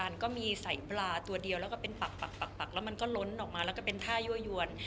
มันก็มีใส่ปลาตัวเดียวแล้วก็เป็นปักแล้วมันก็ล้นออกมาแล้วก็เป็นท่ายั่วยวน